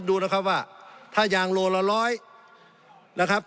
สงบจนจะตายหมดแล้วครับ